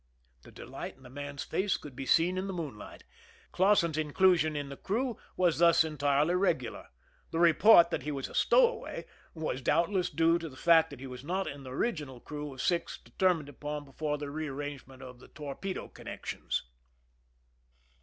The delight in the man's face could be seen in the moonlight. Clausen's inclu sion in the crew was thus entirely regular. The report that he was a stowaway was doubtless due to the fact that he was not in the original crew of six determined upon before the rearrangement of torpedo connections.